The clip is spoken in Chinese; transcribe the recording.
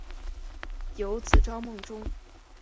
有子张孟中。